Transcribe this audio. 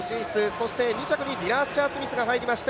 そして２着にディナ・アッシャー・スミスが入りまして